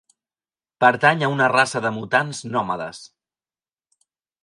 Pertany a una raça de mutants nòmades.